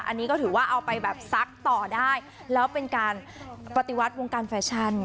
อันนี้ก็ถือว่าเอาไปแบบซักต่อได้แล้วเป็นการปฏิวัติวงการแฟชั่น